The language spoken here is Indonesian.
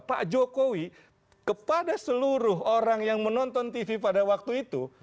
pak jokowi kepada seluruh orang yang menonton tv pada waktu itu